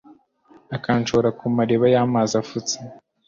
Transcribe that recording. akanshora ku mariba y’amazi afutse